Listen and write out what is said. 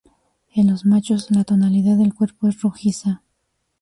En los machos la tonalidad del cuerpo es rojiza.